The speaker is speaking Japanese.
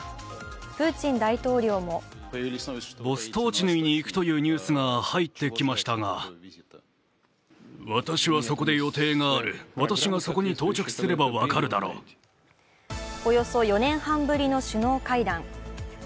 プーチン大統領もおよそ４年半ぶりの首脳会談。